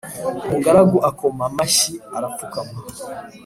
umugaragu akoma mashyi arapfukama